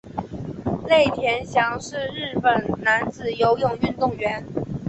内田翔是日本男子游泳运动员。